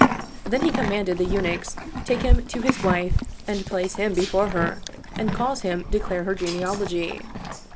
Then he commanded the Eunuchs take him to his wife and place him before her and cause him declare her genealogy.